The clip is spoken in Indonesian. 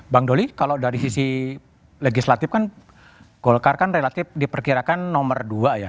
bang doli kalau dari sisi legislatif kan golkar kan relatif diperkirakan nomor dua ya